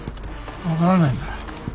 分からないんだ。